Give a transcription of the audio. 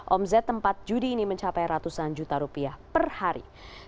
omzet tempat judi ini mencapai ratusan juta rupiah per hari